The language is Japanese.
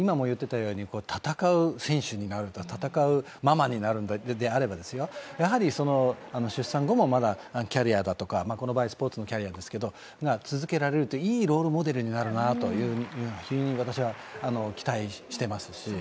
戦う選手になる、戦うママになるのであればですよ、やはり出産後もまだキャリアだとか、この場合、スポーツのキャリアが続けられると、いいロールモデルになるなと、機運を私は期待しています。